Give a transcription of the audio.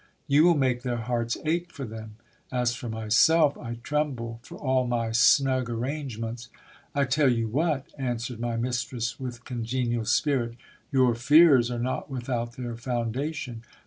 You will make their hearts ache for them. As for my self, I tremble for all my snug arrangements. I tell you what ! answered my mistress with congenial spirit, your fears are not without their foundation.